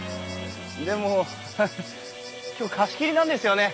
でもハハ今日貸し切りなんですよね？